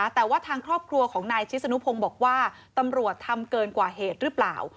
แต่ว่าทางครอบครัวของนายชิสนุพงศ์บอกว่าตำรวจทำเกินกว่าเหตุหรือเปล่า